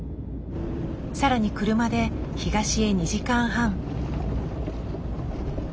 更に車で東へ２時間半。